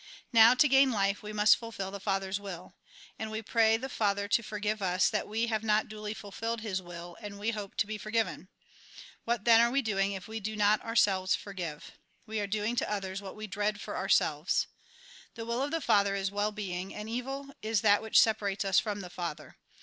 Now, to gain life, we must fulfil the Father's will. And we pray the Father to for give us, that we have not duly fulfilled his will, and we hope to be forgiven. What, then, are we doing, if we do not ourselves forgive ? We are doing to others what we dread for ourselves. The will of the Father is well being, and evil is that which separates us from the Father.